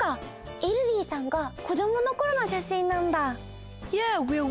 イルディさんが子どものころのしゃしんなんだ。